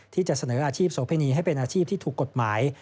ที่จะเสนออาชีพโสเพณีให้เป็นอาชีพที่ถูกกฎหมาย